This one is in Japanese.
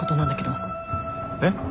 えっ？